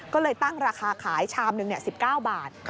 ก็เลยตั้งราคาขายชามหนึ่ง๑๙บาท